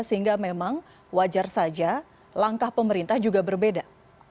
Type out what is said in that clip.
sehingga memang wajar saja langkah pemerintah juga berbeda